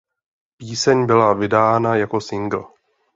Píseň byla vydána jako singl.